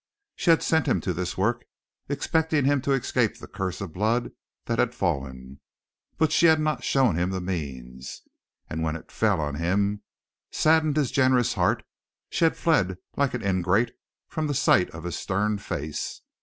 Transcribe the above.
She had sent him to this work, expecting him to escape the curse of blood that had fallen. But she had not shown him the means. And when it fell on him, saddening his generous heart, she had fled like an ingrate from the sight of his stern face.